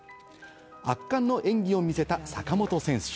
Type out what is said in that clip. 圧巻の演技を見せた坂本選手。